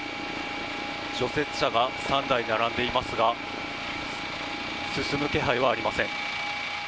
除雪車が３台並んでいますが進む気配はありません。